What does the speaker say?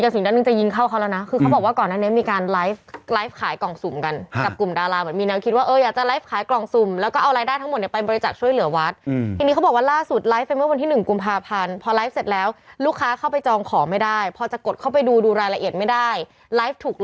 หินเหล่านั้นคือปรากฏการณ์ธรรมชาติหรือปรากฏการณ์เหนือธรรมชาติเราไม่รู้